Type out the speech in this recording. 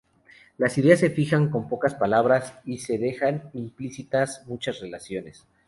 Las ideas se fijan con pocas palabras, y se dejan implícitas muchas relaciones.